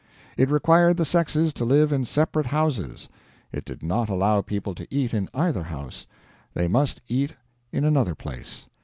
It required the sexes to live in separate houses. It did not allow people to eat in either house; they must eat in another place.